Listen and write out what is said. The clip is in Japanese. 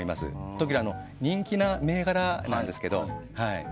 特に人気の銘柄なんですけど。